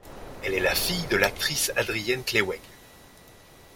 Elle est la fille de l'actrice Adriënne Kleiweg.